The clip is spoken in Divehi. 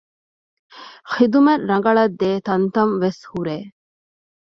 ޚިދުމަތް ރަނގަޅަށް ދޭ ތަންތަން ވެސް ހުރޭ